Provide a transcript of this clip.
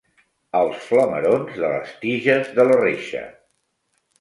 Els flamerons de les tiges de la reixa.